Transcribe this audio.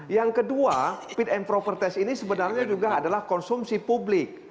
yang kedua fit and proper test ini sebenarnya juga adalah konsumsi publik